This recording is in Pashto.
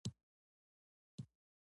د تبادلو تکامل تر لوړې کچې ورسید.